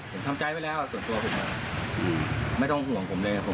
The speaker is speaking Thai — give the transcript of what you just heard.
ผมทำใจไว้แล้วส่วนตัวผมไม่ต้องห่วงผมเลย